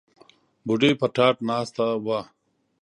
بوډۍ پر تاټ ناسته وه.